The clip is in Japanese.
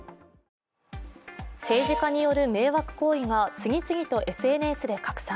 政治家による迷惑行為が次々とＳＮＳで拡散。